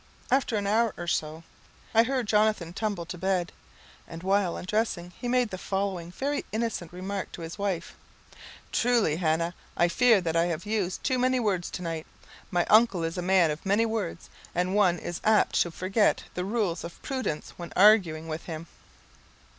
After an hour or so I heard Jonathan tumble upstairs to bed, and while undressing he made the following very innocent remark to his wife, "Truly, Hannah, I fear that I have used too many words tonight. My uncle is a man of many words, and one is apt to forget the rules of prudence when arguing with him."